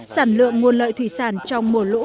sản lượng nguồn lợi thủy sản trong mùa lũ